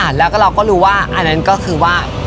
แล้วก็เราก็รู้ว่าอันนั้นก็คือว่า